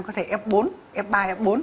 có thể f bốn f ba f bốn